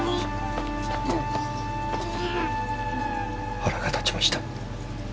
腹が立ちました。